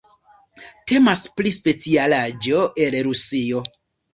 Temas pri specialaĵo el Rusio.